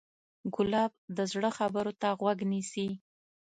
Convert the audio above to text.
ګلاب د زړه خبرو ته غوږ نیسي.